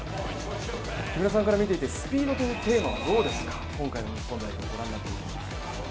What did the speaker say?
木村さんから見ていてスピードというテーマはどうですか、今回の日本代表をご覧になっていて。